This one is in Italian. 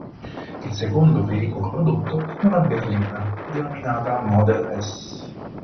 Il secondo veicolo prodotto è una berlina, denominata "Model S".